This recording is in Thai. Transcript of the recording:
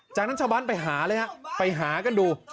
จากนั้นชาวบ้านไปหาเลยฮะไปหากันดู